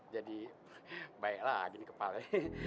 jadi baiklah gini kepala